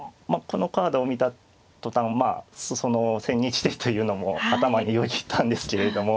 このカードを見た途端まあその千日手というのも頭によぎったんですけれども。